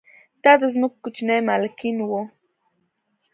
دا د ځمکو کوچني مالکین وو